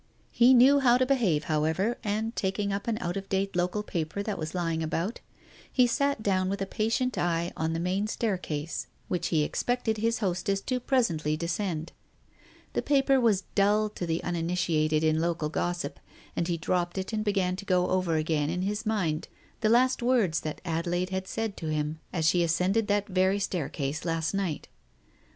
He knew how to behave, however, and taking up an out of date local paper that was lying about, he sat down with a patient eye on the. main staircase which he Digitized by Google THE TIGER SKIN 263 expected his hostess to presently descend. The paper was dull to the uninitiated in local gossip, and he dropped it and began to go over again in his mind the last words that Adelaide had said to him as she ascended that very staircase last night.